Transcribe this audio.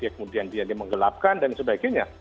kemudian dia menggelapkan dan sebagainya